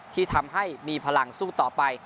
ที่ทำให้มีพลังสู้ต่อไป